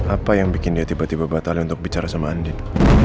apa yang bikin dia tiba tiba batalnya untuk bicara sama andin